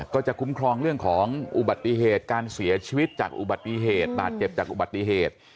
ก็จะคุ้มครองเรื่องของอุบัติเหตุการเสียชีวิตจากอุบัติเหตุบาดเจ็บจากอุบัติเหตุ